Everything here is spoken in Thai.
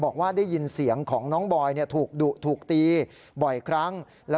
บอกว่าได้ยินเสียงของน้องบอยถูกดุถูกตีบ่อยครั้ง